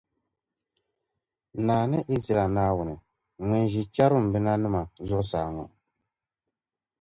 Naa ni Izraɛl Naawuni, ŋun ʒi Chɛrubinima zuɣusaa ŋɔ.